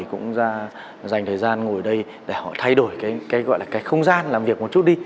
cũng ra dành thời gian ngồi ở đây để họ thay đổi cái gọi là cái không gian làm việc một chút đi